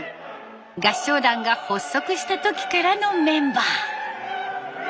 合唱団が発足した時からのメンバー。